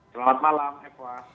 selamat malam hekwa